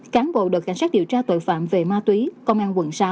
cán bộ đội cảnh sát điều tra tội phạm về ma túy công an quận sáu